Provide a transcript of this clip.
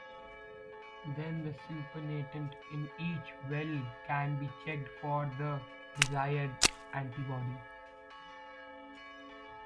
Then the supernatant in each well can be checked for the desired antibody.